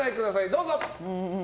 どうぞ！